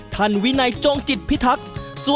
วินัยจงจิตพิทักษ์